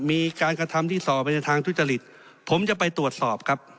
มีการกระทำที่ส่อไปในทางทุจริตผมจะไปตรวจสอบครับ